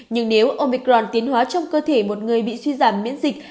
nhưng nếu omicron tiến hóa trong cơ thể một người bị suy giảm miễn dịch